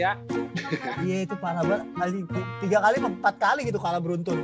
iya itu tiga kali empat kali gitu kalah beruntun